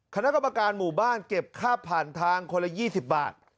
คณะกรรมการหมู่บ้านเก็บค่าผ่านทางคนละ๒๐บาท